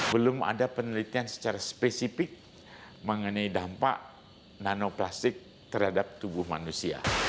belum ada penelitian secara spesifik mengenai dampak nanoplastik terhadap tubuh manusia